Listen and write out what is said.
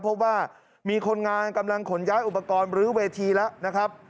พบว่ามีคนงานกำลังขนย้ายอุปกรณ์หรือเวทีแล้วนะครับ